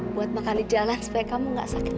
buat makan di jalan supaya kamu nggak sakit